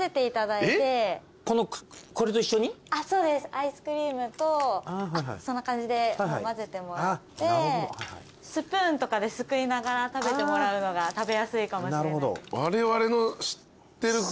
アイスクリームとあっそんな感じでもうまぜてもらってスプーンとかですくいながら食べてもらうのが食べやすいかもしれない。